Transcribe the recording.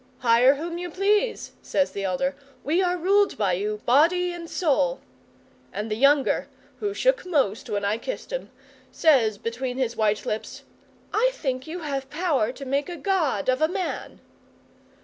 '"Hire whom you please," says the elder; "we are ruled by you, body and soul"; and the younger, who shook most when I kissed 'em, says between his white lips, "I think you have power to make a god of a man."